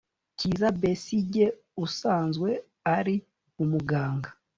Kizza Besigye asanzwe ari umuganga